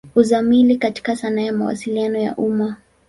Uzamili katika sanaa ya Mawasiliano ya umma.